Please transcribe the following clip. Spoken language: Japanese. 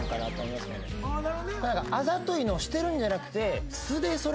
あざといのをしてるんじゃなくて。